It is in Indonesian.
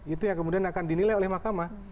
itu yang kemudian akan dinilai oleh mahkamah